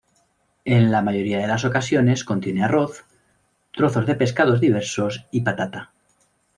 En la mayoría de las ocasiones contiene arroz, trozos de pescados diversos y patata.